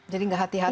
jadi nggak hati hati